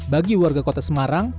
bagi warga kota semarang